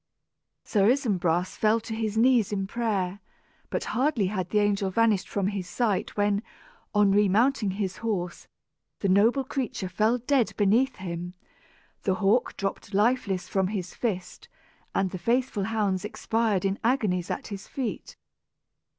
Sir Isumbras fell to his knees in prayer; but hardly had the angel vanished from his sight when, on remounting his horse, the noble creature fell dead beneath him; the hawk dropped lifeless from his fist; and the faithful hounds expired in agonies at his feet.